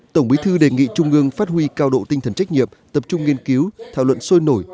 tổng bí thư đề nghị trung ương phát huy cao độ tinh thần trách nhiệm tập trung nghiên cứu thảo luận sôi nổi